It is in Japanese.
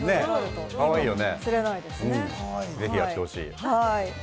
ぜひやってほしい。